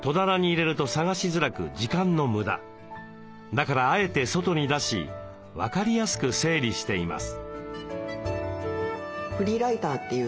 だからあえて外に出し分かりやすく整理しています。